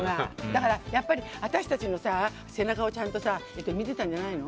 だから、私たちの背中をちゃんと見てたんじゃないの？